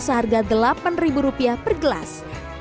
seharga rp delapan per gelas